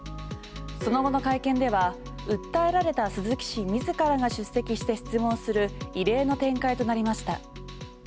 その後の会見では訴えられた鈴木氏自らが出席して質問する異例の展開となりました。